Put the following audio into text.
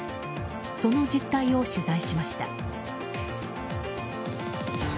その実態を取材しました。